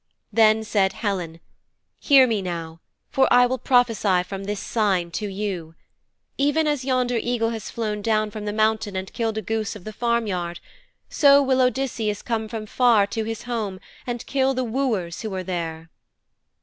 Then said Helen, 'Hear me now, for I will prophesy from this sign to you. Even as yonder eagle has flown down from the mountain and killed a goose of the farmyard, so will Odysseus come from far to his home and kill the wooers who are there.'